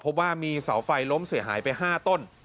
พบว่ามีเสาไฟล้มเสียหายไป๕ต้น